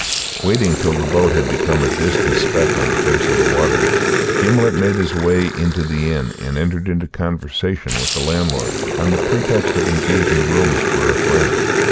Waiting till the boat had become a distant speck on the face of the waters, Gimblet made his way into the inn and entered into conversation with the landlord, on the pretext of engaging rooms for a friend.